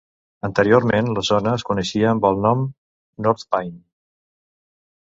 Anteriorment, la zona es coneixia amb el nom North Pine.